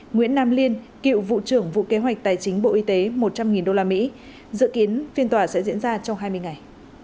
nguyễn nam liên cựu vụ trưởng vụ kế hoạch tài chính bộ y tế một trăm linh usd dự kiến phiên tòa sẽ diễn ra trong hai mươi ngày